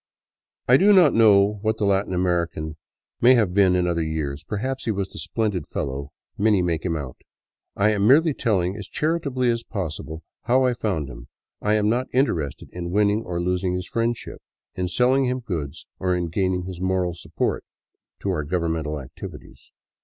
I do not know what the Latin American may have been in other years — perhaps he was the splendid fellow many make him out. I am merely telling, as charitably as possible, how I found him. I am not interested in winning or losing his friendship, in selling him goods, or in gaining his " moral support " to our governmental activi ties.